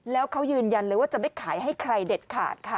แล้วเขายืนยันเลยว่าจะไม่ขายให้ใครเด็ดขาดค่ะ